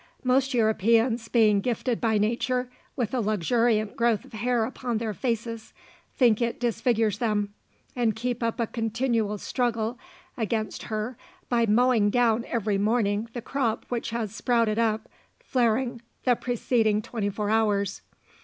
Most Europeans being gifted by nature with a luxuriant growth of hair upon their faces, think it disfigures them, and keep up a continual struggle against her by mowing down every morning the crop which has sprouted up flaring the preceding twenty four hours.